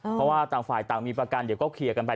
เพราะว่าต่างฝ่ายต่างมีประกันเดี๋ยวก็เคลียร์กันไป